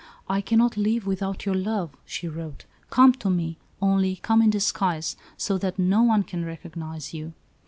"I cannot live without your love," she wrote. "Come to me only, come in disguise, so that no one can recognise you."